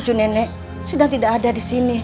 cucu nenek sedang tidak ada di sini